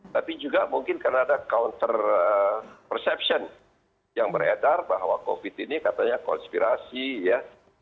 tapi juga mungkin karena ada counter perception yang beredar bahwa covid ini katanya konspirasi ya